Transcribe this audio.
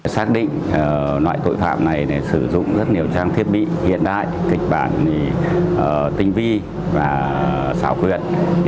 xác định loại tội phạm này sử dụng rất nhiều trang thiết bị hiện đại kịch bản tinh vi và xảo quyệt